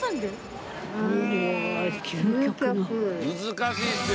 難しいっすよ。